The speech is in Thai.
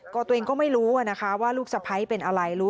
ก็ตัวเองก็ไม่รู้นะคะว่าลูกสะพ้ายเป็นอะไรรู้